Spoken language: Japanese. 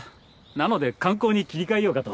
なので観光に切り替えようかと。